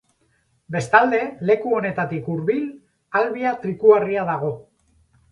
Bestalde, leku honetatik hurbil Albia trikuharria dago.